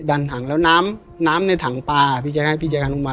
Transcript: ดันถังแล้วน้ำในถังปลาพี่แจ๊คให้พี่แจ๊คลงมา